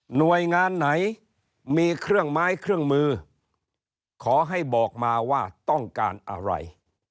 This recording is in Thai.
หน่วยงานไหนมีเครื่องไม้เครื่องมือขอให้บอกมาว่าต้องการอะไร